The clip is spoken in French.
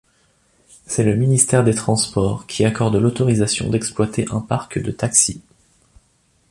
C'est le ministère des transports qui accorde l'autorisation d'exploiter un parc de taxis.